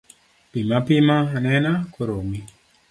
Pim apima anena koromi.